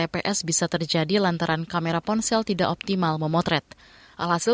pertama kali kita berkahwin